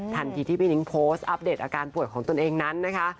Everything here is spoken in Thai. ทันทีที่พี่นิ้งโพสต์อัปเดตอาการป่วยของตนเองนั้นนะคะ